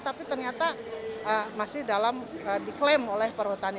tapi ternyata masih dalam diklaim oleh perhutani